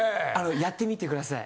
やってみてください。